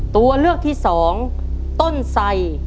ตัวเลือกที่สองต้นไส